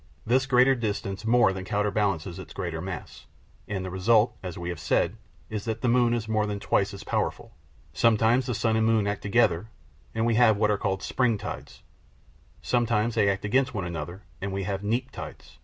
This greater distance more than counterbalances its greater mass, and the result, as we have said, is that the moon is more than twice as powerful. Sometimes the sun and moon act together, and we have what are called spring tides; sometimes they act against one another, and we have neap tides.